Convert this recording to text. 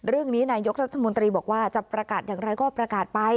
เรื่องนี้นายกรัฐมนตรีบอกว่าจะประกาศอย่างไรก็ประกาศไป